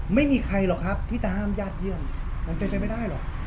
ไม่มีใครหรอกครับที่จะห้ามญาติเยี่ยมมันเป็นไปไม่ได้หรอก